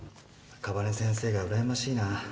赤羽先生がうらやましいな